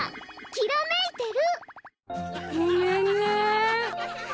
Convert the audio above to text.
きらめいてる！